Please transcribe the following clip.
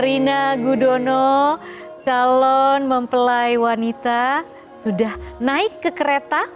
rina gudono calon mempelai wanita sudah naik ke kereta